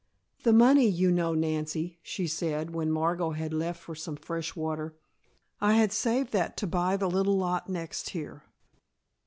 "The money, you know, Nancy," she said, when Margot had left for some fresh water. "I had saved that to buy the little lot next here."